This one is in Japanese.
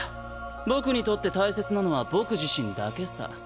僕にとって大切なのは僕自身だけさ。